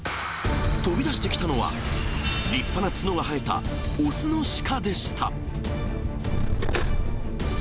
飛び出してきたのは、立派な角が生えた雄のシカでした。